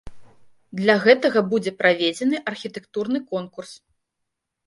Для гэтага будзе праведзены архітэктурны конкурс.